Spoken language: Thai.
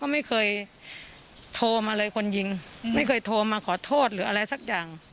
ไม่เคยโทรมาขอโทษหรืออะไรสักอย่าง